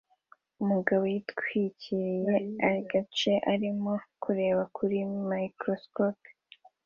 Umugabo yitwikiriye agace arimo kureba kuri microscope